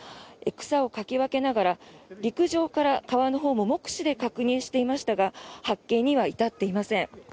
草をかき分けながら陸上から川のほうも目視で確認していましたが発見には至っていません。